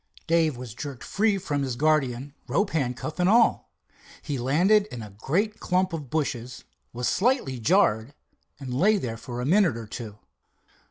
Dave was jerked free from his guardian, rope handcuff and all. He landed in a great clump of bushes, was slightly jarred, and lay there for a minute or two.